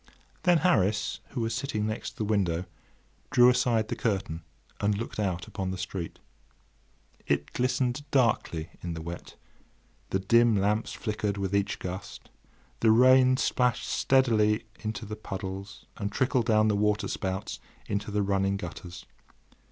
Then Harris, who was sitting next the window, drew aside the curtain and looked out upon the street. It glistened darkly in the wet, the dim lamps flickered with each gust, the rain splashed steadily into the puddles and trickled down the water spouts into the running gutters.